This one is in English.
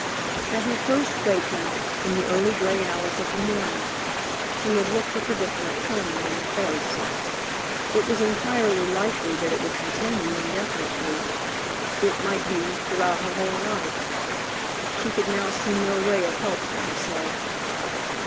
At her first waking, in the early gray hours of the morning, she had looked her predicament calmly in the face. It was entirely likely that it would continue indefinitely; it might be, throughout her whole life. She could now see no way of help for herself.